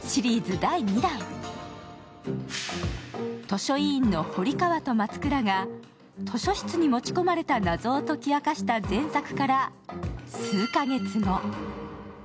図書委員の堀川と松倉が図書室に持ち込まれた謎を解きあかした前作から数か月後。